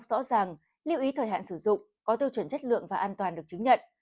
rõ ràng lưu ý thời hạn sử dụng có tiêu chuẩn chất lượng và an toàn được chứng nhận